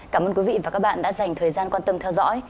cảm ơn quý vị và các bạn đã dành thời gian quan tâm theo dõi